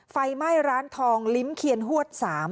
ไฟไหม้ร้านทองลิ้มเคียนฮวด๓